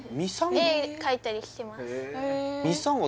絵描いたりしてますへえ今？